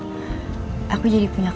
sampai jumpa di video selanjutnya